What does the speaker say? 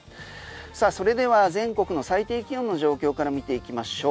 さあそれでは全国の最低気温の状況から見ていきましょう。